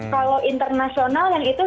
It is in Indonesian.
kalau internasional yang itu